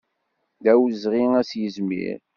D awezɣi ad s-yizmir.